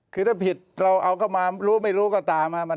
คือถ้าผิดเราเอาเข้ามารู้ไม่รู้ก็ตาม